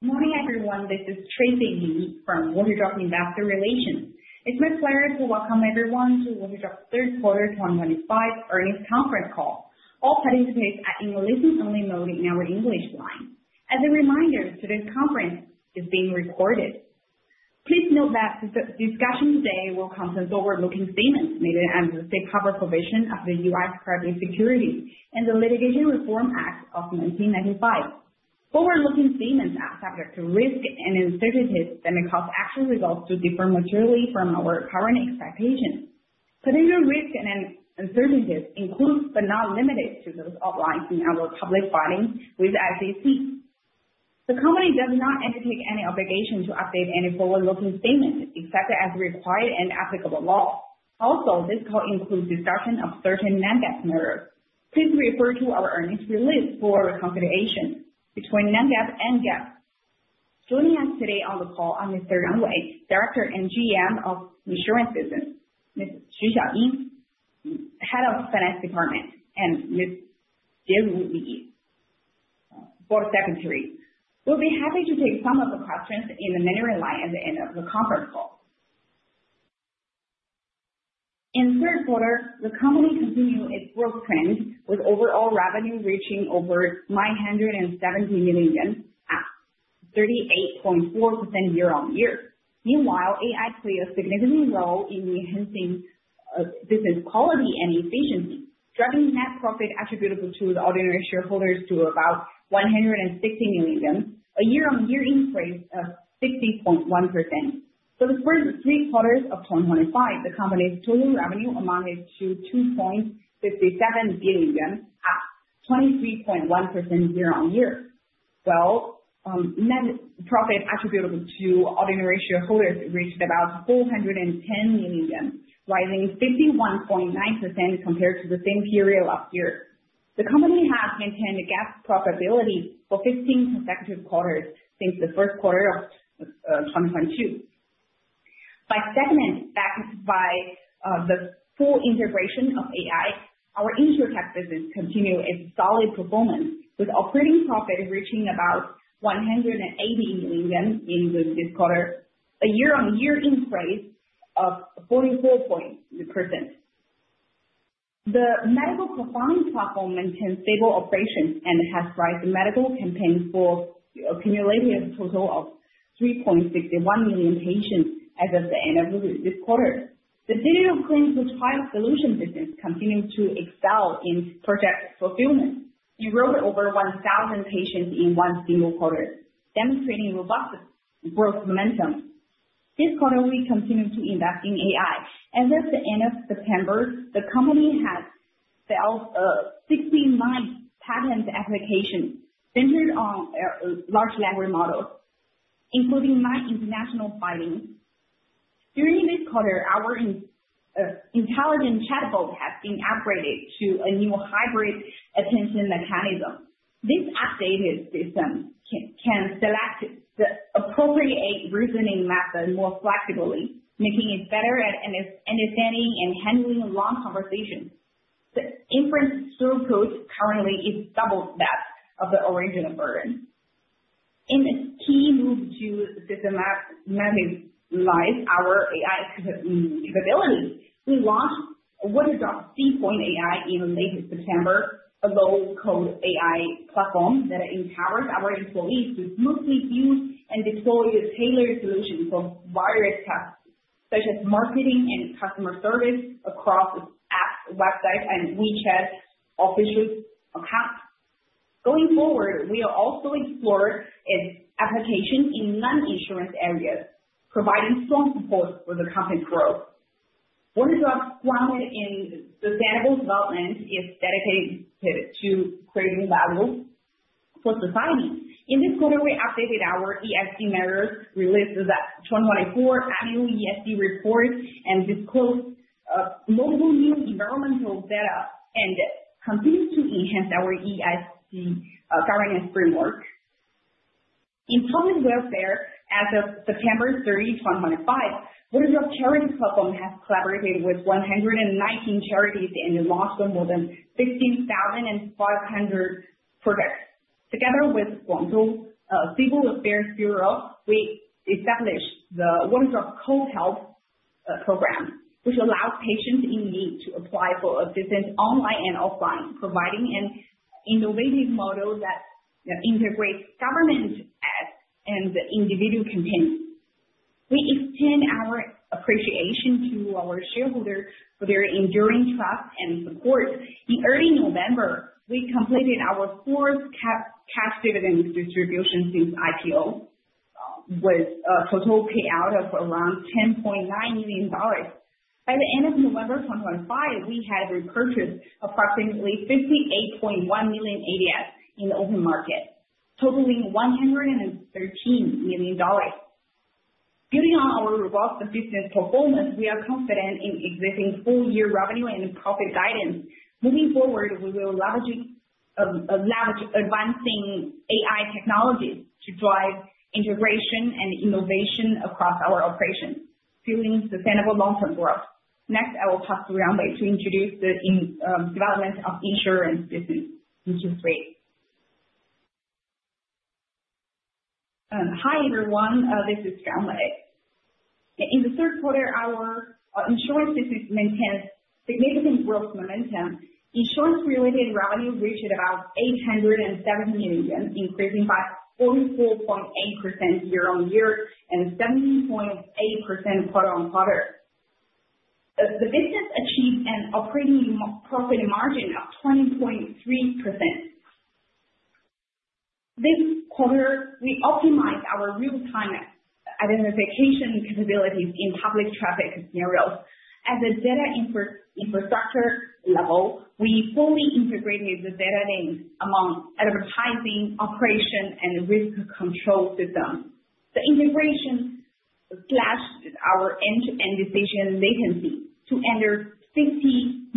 Morning, everyone. This is Tracy Li from WaterDrop Investor Relations. It's my pleasure to welcome everyone to WaterDrop's Third Quarter 2025 earnings conference call. All participants are in a listen-only mode in our English line. As a reminder, today's conference is being recorded. Please note that the discussion today will concentrate on forward-looking statements made under the Safe Harbor Provision of the U.S. Private Securities Litigation Reform Act of 1995. Forward-looking statements are subject to risk and uncertainties that may cause actual results to differ materially from our current expectations. Potential risks and uncertainties include, but are not limited to, those outlined in our public filing with SEC. The company does not entertain any obligation to update any forward-looking statement except as required in applicable law. Also, this call includes discussion of certain Non-GAAP matters. Please refer to our earnings release for a reconciliation between Non-GAAP and GAAP. Joining us today on the call are Mr. Yang Wei, Director and GM of Insurance Business, Ms. Xiaoying Xu, Head of Finance Department, and Ms. Jiao Yu, Board Secretary. We'll be happy to take some of the questions in the minutes line at the end of the conference call. In the third quarter, the company continued its growth trend, with overall revenue reaching over 970 million, 38.4% year-on-year. Meanwhile, AI played a significant role in enhancing business quality and efficiency, driving net profit attributable to the ordinary shareholders to about 160 million, a year-on-year increase of 60.1%. For the first three quarters of 2025, the company's total revenue amounted to 2.67 billion, up 23.1% year-on-year. Net profit attributable to ordinary shareholders reached about 410 million, rising 51.9% compared to the same period last year. The company has maintained GAAP profitability for 15 consecutive quarters since the first quarter of 2022. By segments, backed by the full integration of AI, our insurtech business continued its solid performance, with operating profit reaching about 180 million in this quarter, a year-on-year increase of 44.3%. The medical profiling platform maintained stable operations and has raised medical campaigns for a cumulative total of 3.61 million patients as of the end of this quarter. The digital clinical trial solution business continued to excel in project fulfillment, enrolling over 1,000 patients in one single quarter, demonstrating robust growth momentum. This quarter, we continued to invest in AI. As of the end of September, the company has developed 69 patent applications centered on large language models, including nine international filings. During this quarter, our intelligent chatbot has been upgraded to a new hybrid attention mechanism. This updated system can select the appropriate reasoning method more flexibly, making it better at understanding and handling long conversations. The inference throughput currently is double that of the original version. In a key move to systematically live our AI capabilities, we launched WaterDrop C-Point AI in late September, a low-code AI platform that empowers our employees to smoothly view and deploy tailored solutions for various tasks, such as marketing and customer service across the app, website, and WeChat official accounts. Going forward, we are also exploring its application in non-insurance areas, providing strong support for the company's growth. WaterDrop's grounded in sustainable development is dedicated to creating value for society. In this quarter, we updated our ESG matters, released the 2024 annual ESG report, and disclosed multiple new environmental data, and continue to enhance our ESG governance framework. In public welfare, as of September 30, 2025, WaterDrop Charity Platform has collaborated with 119 charities and launched more than 16,500 projects. Together with Guangzhou Civil Affairs Bureau, we established the WaterDrop Co-Health program, which allows patients in need to apply for assistance online and offline, providing an innovative model that integrates government acts and the individual campaigns. We extend our appreciation to our shareholders for their enduring trust and support. In early November, we completed our fourth cash dividend distribution since IPO, with a total payout of around $10.9 million. By the end of November 2025, we had repurchased approximately 58.1 million ADS in the open market, totaling 113 million. Building on our robust business performance, we are confident in exhibiting full-year revenue and profit guidance. Moving forward, we will leverage advancing AI technologies to drive integration and innovation across our operations, fueling sustainable long-term growth. Next, I will pass to Yang Wei to introduce the development of insurance business, which is great. Hi, everyone. This is Yang Wei. In the third quarter, our insurance business maintained significant growth momentum. Insurance-related revenue reached about 870 million, increasing by 44.8% year-on-year and 17.8% quarter-on-quarter. The business achieved an operating profit margin of 20.3%. This quarter, we optimized our real-time identification capabilities in public traffic scenarios. At the data infrastructure level, we fully integrated the data links among advertising, operation, and risk control systems. The integration slashed our end-to-end decision latency to under 60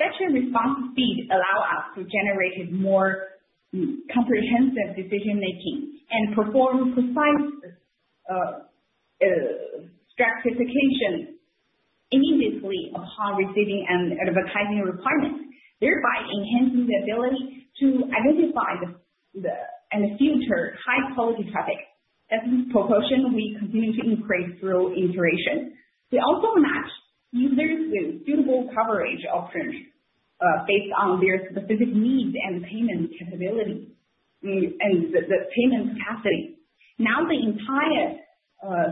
milliseconds. Better response speed allowed us to generate more comprehensive decision-making and perform precise stratification immediately upon receiving an advertising requirement, thereby enhancing the ability to identify and filter high-quality traffic. That proportion, we continue to increase through integration. We also match users with suitable coverage options based on their specific needs and payment capability and the payment capacity. Now, the entire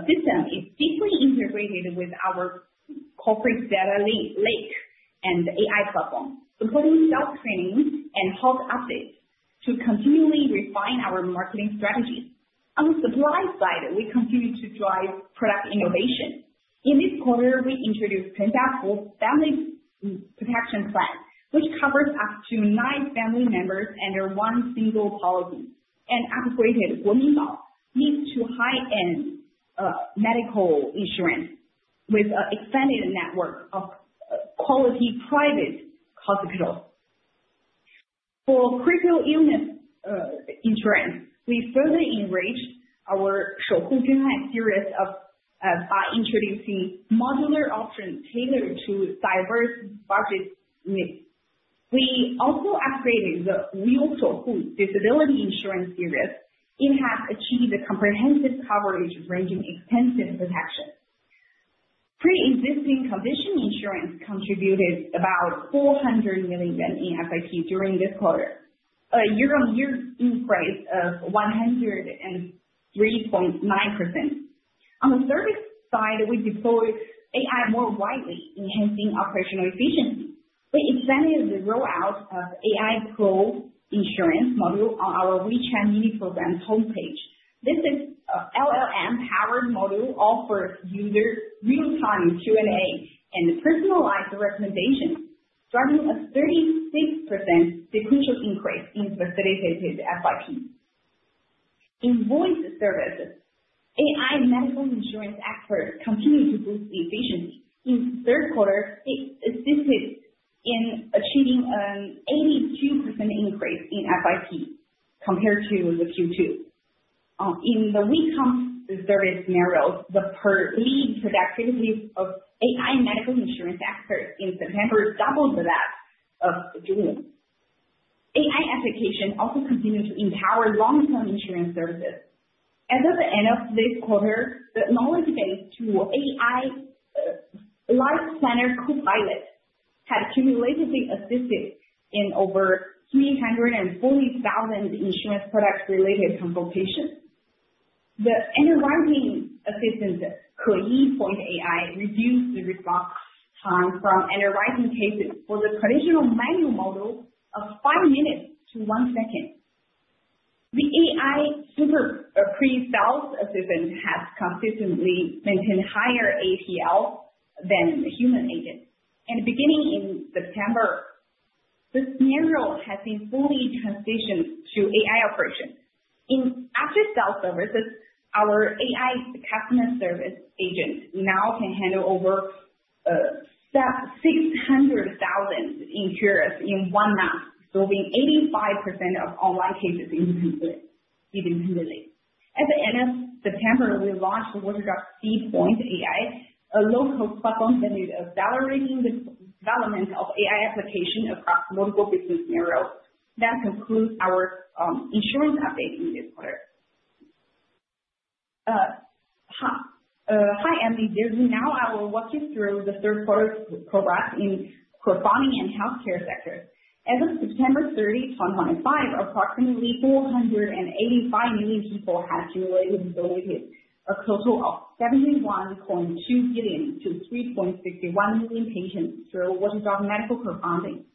system is deeply integrated with our corporate data lake and AI platform, including self-training and health updates to continually refine our marketing strategy. On the supply side, we continue to drive product innovation. In this quarter, we introduced Penta's Full Family Protection Plan, which covers up to nine family members under one single policy, and upgraded Guang Ying Xiao Leads to high-end medical insurance with an expanded network of quality private hospitals. For critical illness insurance, we further enriched our Shouhu GenAI series by introducing modular options tailored to diverse budget needs. We also upgraded the real Shouhu disability insurance series, which has achieved a comprehensive coverage ranging extensive protection. Pre-existing condition insurance contributed about 400 million in FYP during this quarter, a year-on-year increase of 103.9%. On the service side, we deployed AI more widely, enhancing operational efficiency. We extended the rollout of AI Pro insurance module on our WeChat Mini program homepage. This LLM-powered module offers users real-time Q&A and personalized recommendations, driving a 36% sequential increase in facilitated FYP. In voice services, AI medical insurance experts continue to boost efficiency. In third quarter, it assisted in achieving an 82% increase in FYP compared to the Q2. In the WeCom service scenarios, the per-lead productivity of AI medical insurance experts in September doubled that of June. AI applications also continue to empower long-term insurance services. As of the end of this quarter, the knowledge base to AI Life Planner Copilot had cumulatively assisted in over 340,000 insurance product-related consultations. The underwriting assistant, Ku Yi Point AI, reduced the response time from underwriting cases for the traditional manual model of five minutes to one second. The AI super pre-sales assistant has consistently maintained higher APL than human agents. Beginning in September, the scenario has been fully transitioned to AI operations. In after-sales services, our AI customer service agent now can handle over 600,000 insurers in one month, solving 85% of online cases independently. At the end of September, we launched WaterDrop C-Point AI, a low-code platform that is accelerating the development of AI applications across multiple business scenarios. That concludes our insurance update in this quarter. Hi, I'm Li Zhiju. Now, I will walk you through the third quarter's progress in performing in healthcare sectors. As of September 30, 2025, approximately 485 million people had cumulative visibility, a total of 71.2 billion to 3.61 million patients through WaterDrop Medical Crowdfunding.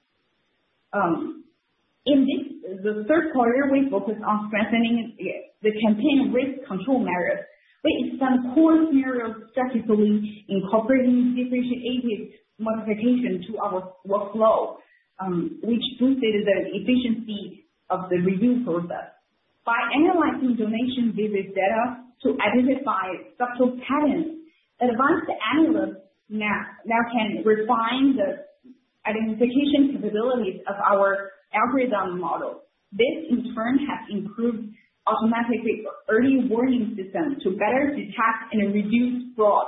In this third quarter, we focused on strengthening the campaign risk control matters. We extended core scenarios strategically, incorporating different agent modifications to our workflow, which boosted the efficiency of the review process. By analyzing donation visit data to identify structural patterns, advanced analysts now can refine the identification capabilities of our algorithm model. This, in turn, has improved automatic early warning systems to better detect and reduce fraud.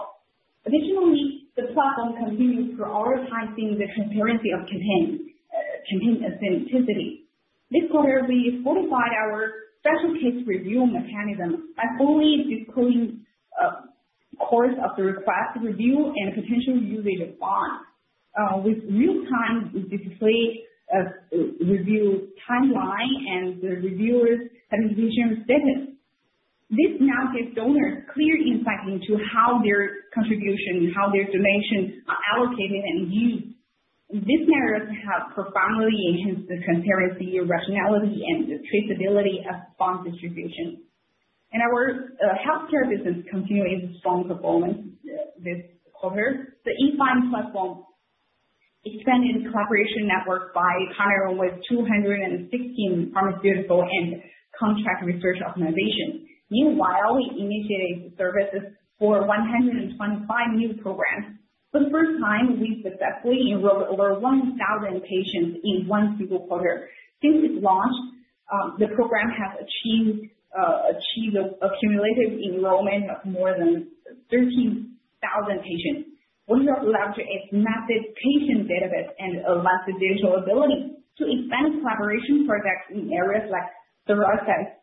Additionally, the platform continues to prioritize the transparency of campaign authenticity. This quarter, we fortified our special case review mechanism by fully decoding the course of the request review and potential usage response, with real-time display review timeline and the reviewers' satisfaction status. This now gives donors clear insight into how their contribution, how their donations are allocated and used. This matters have profoundly enhanced the transparency, rationality, and the traceability of funds distribution. And our healthcare business continues strong performance this quarter. The eFind platform expanded the collaboration network by partnering with 216 pharmaceutical and contract research organizations. Meanwhile, we initiated services for 125 new programs. For the first time, we successfully enrolled over 1,000 patients in one single quarter. Since its launch, the program has achieved accumulative enrollment of more than 13,000 patients. WaterDrop leveraged its massive patient database and elastic digital ability to expand collaboration projects in areas like psoriasis,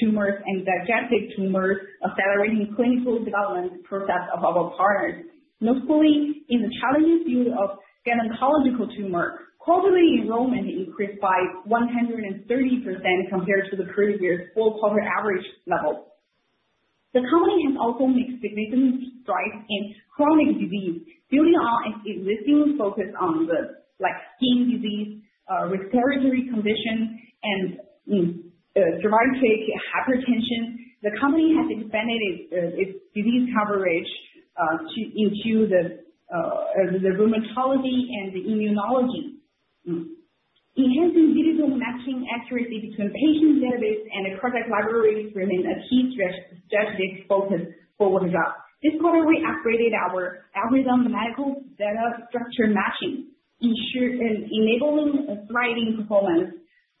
tumors, and digestive tumors, accelerating the clinical development process of our partners. Notably, in the challenging field of gynecological tumors, quarterly enrollment increased by 130% compared to the previous full quarter average level. The company has also made significant strides in chronic disease. Building on its existing focus on skin disease, respiratory conditions, and diabetic hypertension, the company has expanded its disease coverage into the rheumatology and the immunology. Enhancing digital matching accuracy between patient database and the project library remains a key strategic focus for WaterDrop. This quarter, we upgraded our algorithm medical data structure matching, ensuring enabling thriving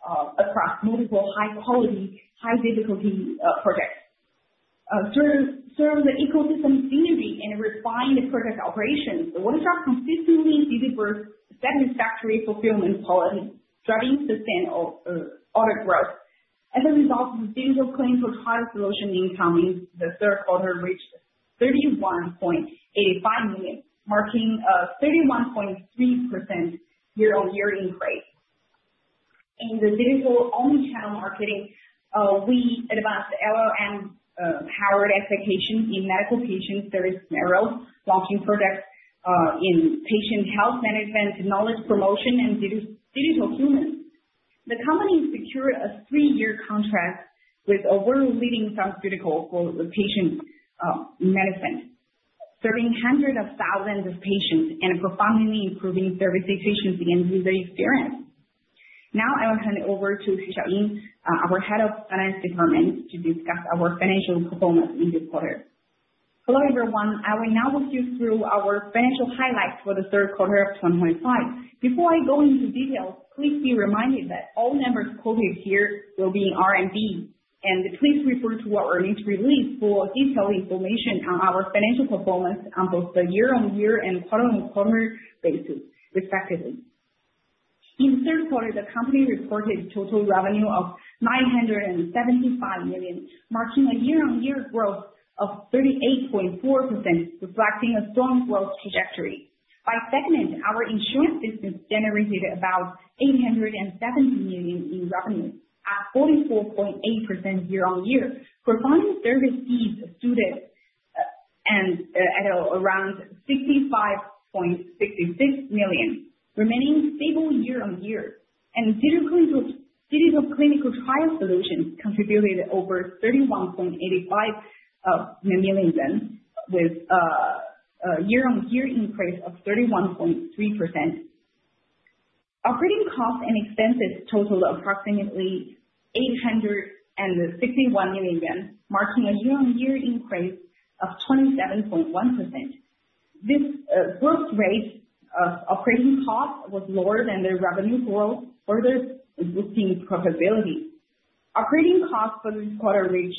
performance across multiple high-quality, high-difficulty projects. Through the ecosystem synergy and refined project operations, WaterDrop consistently delivers satisfactory fulfillment quality, striving to sustain order growth. As a result, the digital clinical trial solution income in the third quarter reached 31.85 million, marking a 31.3% year-on-year increase. In the digital omnichannel marketing, we advanced LLM-powered applications in medical patient service scenarios, launching projects in patient health management, knowledge promotion, and digital humans. The company secured a three-year contract with a world-leading pharmaceutical for patient medicine, serving hundreds of thousands of patients and profoundly improving service efficiency and user experience. Now, I will hand over to Xiaoying Xu, our Head of Finance Department, to discuss our financial performance in this quarter. Hello, everyone. I will now walk you through our financial highlights for the third quarter of 2025. Before I go into details, please be reminded that all numbers quoted here will be non-GAAP, and please refer to our earnings release for detailed information on our financial performance on both the year-on-year and quarter-on-quarter basis, respectively. In the third quarter, the company reported total revenue of 975 million, marking a year-on-year growth of 38.4%, reflecting a strong growth trajectory. By segment, our insurance business generated about 870 million in revenue, at 44.8% year-on-year. Premium service fees excluded and at around 65.66 million, remaining stable year-on-year. Digital clinical trial solutions contributed over CNY 31.85 million, with a year-on-year increase of 31.3%. Operating costs and expenses totaled approximately CNY 861 million, marking a year-on-year increase of 27.1%. This growth rate of operating costs was lower than the revenue growth, further boosting profitability. Operating costs for this quarter reached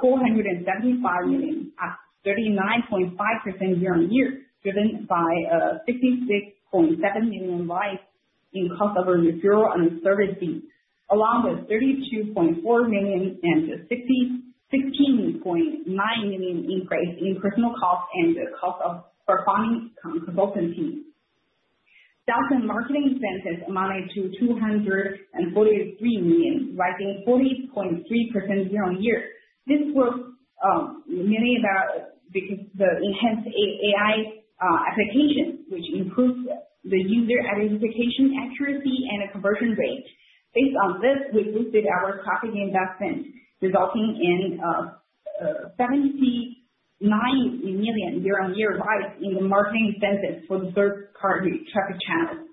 475 million, at 39.5% year-on-year, driven by 56.7 million rise in cost of a referral and service fee, along with 32.4 million and 16.9 million increase in personnel costs and the cost of premium consultant fees. Sales and marketing expenses amounted to 243 million, rising 40.3% year-on-year. This growth mainly because of the enhanced AI applications, which improved the user identification accuracy and the conversion rate. Based on this, we boosted our traffic investment, resulting in 79 million year-on-year rise in the marketing expenses for the third quarter traffic channels.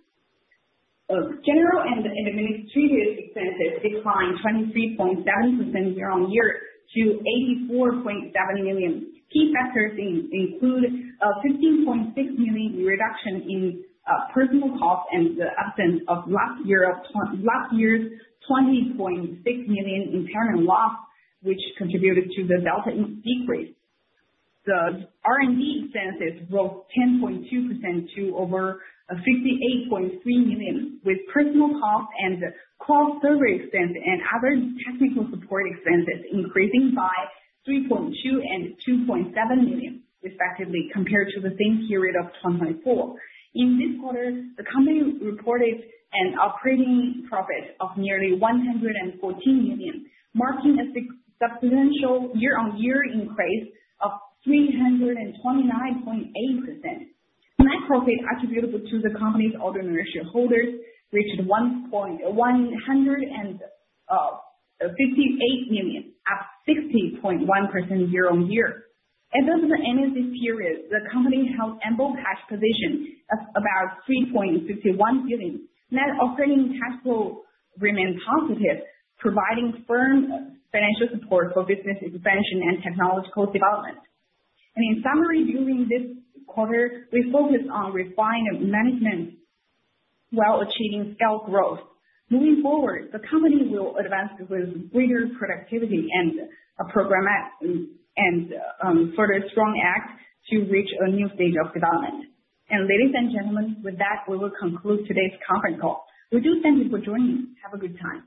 General and administrative expenses declined 23.7% year-on-year to 84.7 million. Key factors include a 15.6 million reduction in personal costs and the absence of last year's 20.6 million impairment loss, which contributed to the delta decrease. The R&D expenses rose 10.2% to over 58.3 million, with personal costs and cross-server expense and other technical support expenses increasing by 3.2 million and 2.7 million, respectively, compared to the same period of 2024. In this quarter, the company reported an operating profit of nearly 114 million, marking a substantial year-on-year increase of 329.8%. Net profit attributable to the company's ordinary shareholders reached 158 million, up 60.1% year-on-year. At the end of this period, the company held ample cash position of about 3.61 billion. Net operating cash flow remained positive, providing firm financial support for business expansion and technological development. And in summary, during this quarter, we focused on refined management while achieving scale growth. Moving forward, the company will advance with greater productivity and a program and further strong acts to reach a new stage of development. And ladies and gentlemen, with that, we will conclude today's conference call. We do thank you for joining. Have a good time.